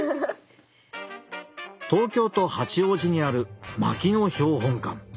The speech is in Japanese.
東京都八王子にある牧野標本館。